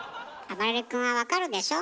あばれる君は分かるでしょ？